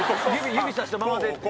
指さしたままで。